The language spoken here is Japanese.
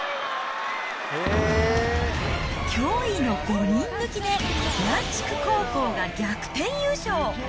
驚異の５人抜きで南筑高校が逆転優勝。